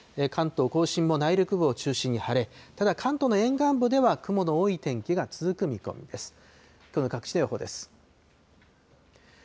関東甲信も内陸部を中心に晴れ、ただ関東の沿岸部では雲の多い天気が続く見込みです。